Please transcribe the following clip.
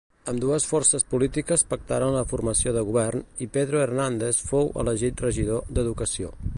Ambdues forces polítiques pactaren la formació de govern i Pedro Hernández fou elegit regidor d'educació.